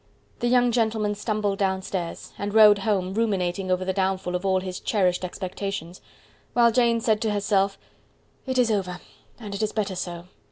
The young gentleman stumbled down stairs, and rode home ruminating over the downfall of all his cherished expectations; while Jane said to herself, "It is over, and it is better so.